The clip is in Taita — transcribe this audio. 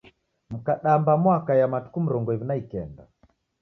Mkadamba muakaia matuku mrongo iw'i na ikenda.